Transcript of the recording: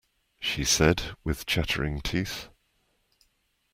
She said with chattering teeth.